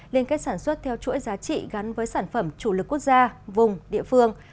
liên kết sản xuất theo chuỗi giá trị gắn với sản phẩm chủ lực quốc gia vùng địa phương